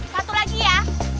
satu lagi ya